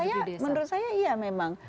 ya menurut saya iya memang